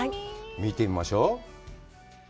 見てみましょう。